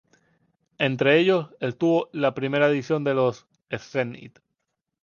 Entre ellos estuvo la primera edición de los "Scene It?